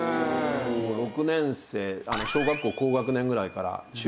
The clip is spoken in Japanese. ６年生小学校高学年ぐらいから中高生。